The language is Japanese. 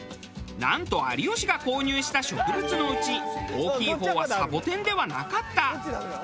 なんと有吉が購入した植物のうち大きい方はサボテンではなかった。